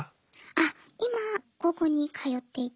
あっ今高校に通っていて。